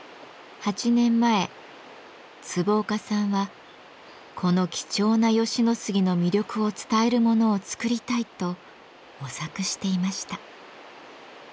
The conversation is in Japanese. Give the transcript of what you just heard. ８年前坪岡さんはこの貴重な吉野杉の魅力を伝えるものを作りたいと模索していました。